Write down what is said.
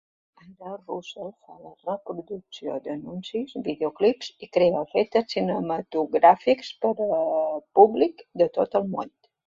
Ara Rushes fa la postproducció d'anuncis, videoclips i crea efectes cinematogràfics per a públic de tot el món.